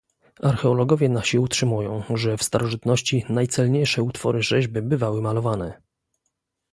"Archeologowie nasi utrzymują, że w starożytności najcelniejsze utwory rzeźby bywały malowane."